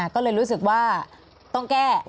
ก็เลยรู้สึกว่าต้องแก้ต้องแก้ข่าว